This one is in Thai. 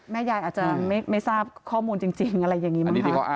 แม่ยายอาจจะไม่ทราบข้อมูลจริงอะไรอย่างนี้บ้างคะ